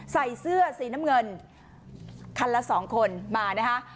ใส่เสื้อสีน้ำเงินคันละสองคนมานะคะ